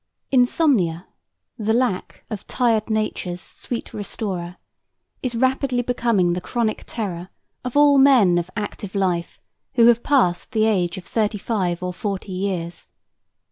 Insomnia, the lack of "tired Nature's sweet restorer," is rapidly becoming the chronic terror of all men of active life who have passed the age of thirty five or forty years.